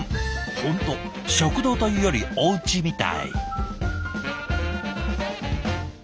本当食堂というよりおうちみたい。